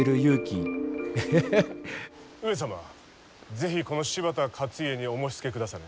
是非、この柴田勝家にお申しつけくだされ。